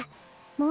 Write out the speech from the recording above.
もう！